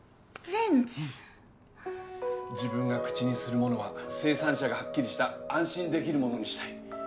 自分が口にするものは生産者がはっきりした安心できるものにしたい。